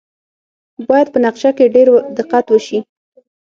باید په نقشه کې ډیر دقت وشي